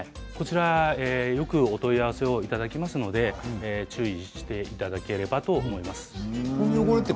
よくお問い合わせをいただきますので注意していただければと思います。